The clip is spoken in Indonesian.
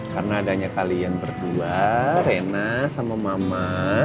karena adanya kalian berdua reina sama mama